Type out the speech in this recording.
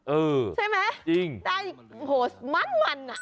เออจริงใช่ไหมได้โหมันน่ะ